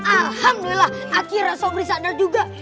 alhamdulillah akhirnya sobri sandar juga